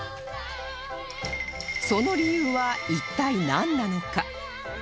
その理由は一体なんなのか？